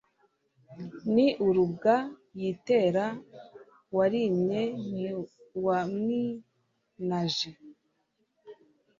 Ni urubwa yiteraWarimye ntiwamwinaje,